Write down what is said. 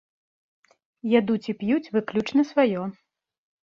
Ядуць і п'юць выключна сваё.